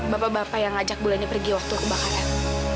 bapak bapak yang ngajak bulannya pergi waktu kebakaran